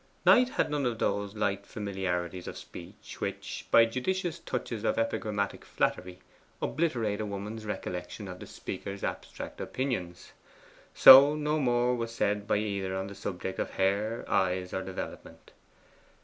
Knight had none of those light familiarities of speech which, by judicious touches of epigrammatic flattery, obliterate a woman's recollection of the speaker's abstract opinions. So no more was said by either on the subject of hair, eyes, or development.